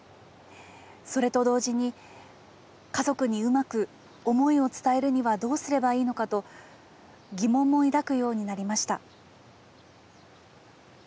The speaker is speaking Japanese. それと同時に家族に上手く思いを伝えるにはどうすればいいのかと疑問も抱くようになりました」。